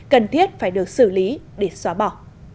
cần thiết phải được xử lý để xóa bỏ